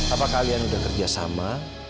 apakah kalian udah kerjasama